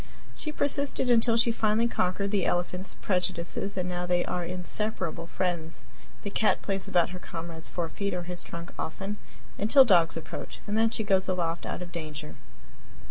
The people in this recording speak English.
She persisted until she finally conquered the elephant's prejudices, and now they are inseparable friends. The cat plays about her comrade's forefeet or his trunk often, until dogs approach, and then she goes aloft out of danger.